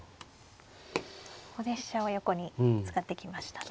ここで飛車を横に使ってきましたね。